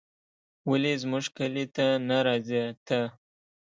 ولې زموږ کلي ته نه راځې ته